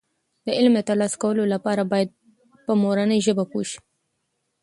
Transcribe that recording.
د علم د ترلاسه کولو لپاره باید په مورنۍ ژبه پوه شو.